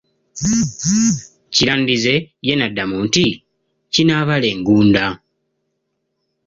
Kirandize ye n'addamu nti kinaabala engunda.